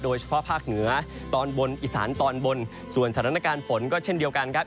ภาคเหนือตอนบนอีสานตอนบนส่วนสถานการณ์ฝนก็เช่นเดียวกันครับ